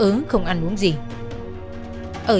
chứ về trại tạm giam công an tỉnh đối tượng đã giả câm